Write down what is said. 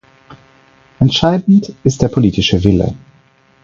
Entscheidend ist der politische Wille.